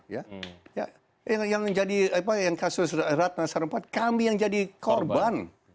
ya yang jadi apa yang kasus ratna sarumpait kami yang jadi korban